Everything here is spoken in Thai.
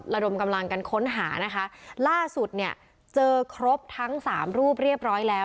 ระดมกำลังกันค้นหานะคะล่าสุดเนี่ยเจอครบทั้งสามรูปเรียบร้อยแล้ว